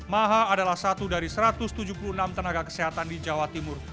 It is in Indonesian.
maha adalah satu dari satu ratus tujuh puluh enam tenaga kesehatan di jawa timur